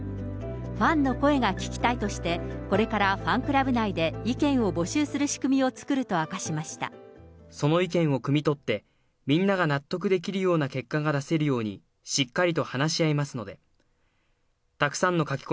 ファンの声が聞きたいとして、これからファンクラブ内で意見を募集する仕組みを作ると明かしまその意見をくみ取って、みんなが納得できるような結果が出せるようにしっかりと話し合いますので。